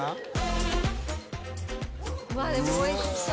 「うわあでも美味しそう」